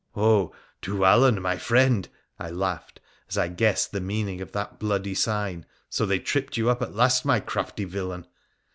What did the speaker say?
' Oh ! oh ! Dhuwallon, my friend,' I laughed, as I guessed the meaning of that bloody sign, ' so they tripped you up at last, my crafty villain.